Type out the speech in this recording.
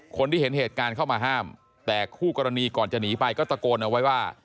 คนที่เห็นเหตุการณ์เข้ามาห้ามแต่คู่กรณีก่อนจะหนีไปก็ตะโกนเอาไว้ว่า